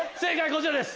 こちらです。